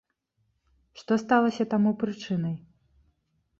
Што сталася таму прычынай?